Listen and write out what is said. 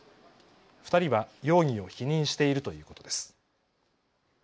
２人は容疑を否認しているということです。